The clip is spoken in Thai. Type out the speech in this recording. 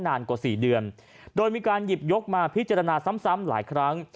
นานกว่า๔เดือนโดยมีการหยิบยกมาพิจารณาซ้ำหลายครั้ง